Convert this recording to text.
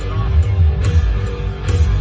ว่าของนั้นจะยอดทุกคน